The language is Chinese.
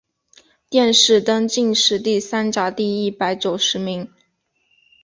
殿试登进士第三甲第一百九十名。